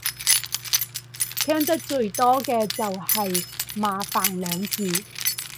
聽得最多嘅就係麻煩兩字